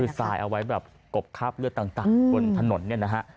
คือทรายเอาไว้แบบกบคราบเลือดต่างบนถนนเนี่ยนะฮะ